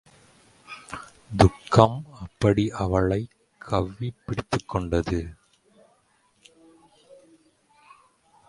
துக்கம் அப்படி அவளைக் கவ்விப் பிடித்துக் கொண்டது.